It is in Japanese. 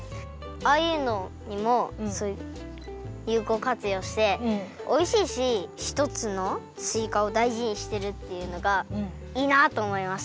ああいうのにもそういうゆうこうかつようしておいしいしひとつのすいかをだいじにしてるっていうのがいいなとおもいました。